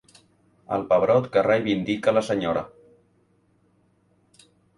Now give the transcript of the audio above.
El pebrot que reivindica la senyora.